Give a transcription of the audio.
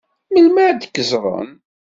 Melmi ad k-ẓṛen?